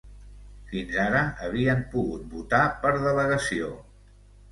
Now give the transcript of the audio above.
Fins ara havien pogut votar per delegació